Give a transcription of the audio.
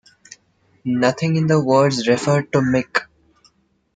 Nothing in the words referred to Mick.